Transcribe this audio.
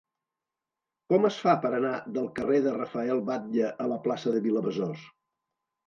Com es fa per anar del carrer de Rafael Batlle a la plaça de Vilabesòs?